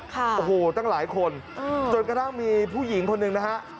โอ้โหตั้งหลายคนจนกระทั่งมีผู้หญิงคนหนึ่งนะฮะ